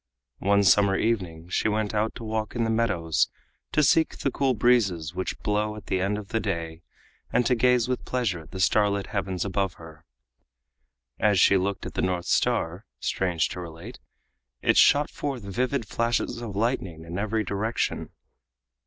One summer evening she went out to walk in the meadows to seek the cool breezes which blow at the end of the day and to gaze with pleasure at the star lit heavens above her. As she looked at the North Star, strange to relate, it shot forth vivid flashes of lightning in every direction.